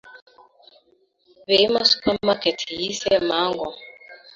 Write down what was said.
birimo Supermarket yise Mango,